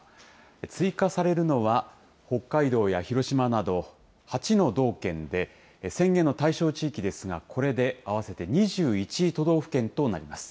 追加されるのは北海道や広島など、８の道県で、宣言の対象地域ですが、これで合わせて２１都道府県となります。